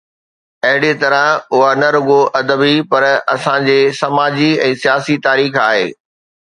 اهڙيءَ طرح اها نه رڳو ادبي، پر اسان جي سماجي ۽ سياسي تاريخ آهي.